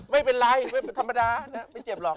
ไม่เป็นไรไม่เจ็บหรอก